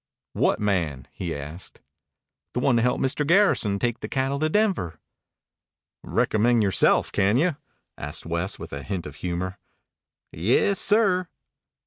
"What man?" he asked. "The one to help Mr. Garrison take the cattle to Denver." "Recommend yoreself, can you?" asked West with a hint of humor. "Yes, sir."